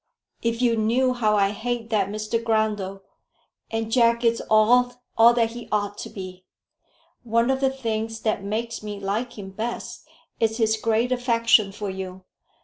"If you knew how I hate that Mr Grundle; and Jack is all, all that he ought to be. One of the things that makes me like him best is his great affection for you.